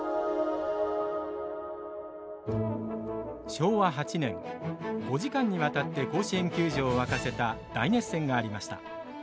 昭和８年５時間にわたって甲子園球場を沸かせた大熱戦がありました。